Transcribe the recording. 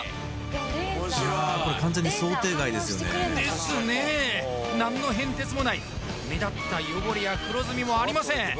これ完全に想定外ですよねですね何の変哲もない目立った汚れや黒ずみもありません